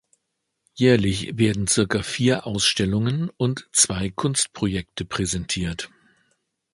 Jährlich werden circa vier Ausstellungen und zwei Kunstprojekte präsentiert.